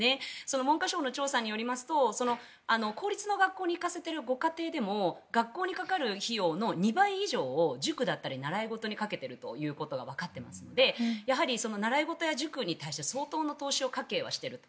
文科省の調査によりますと公立の学校に行かせているご家庭でも学校にかかる費用の２倍以上を塾だったり習い事にかけていることがわかっているのでやはり習い事や塾に対して相当の投資を家計はしていると。